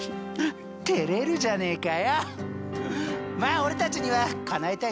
てれるじゃねかよ。